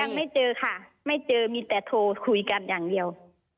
ยังไม่เจอค่ะไม่เจอมีแต่โทรคุยกันอย่างเดียว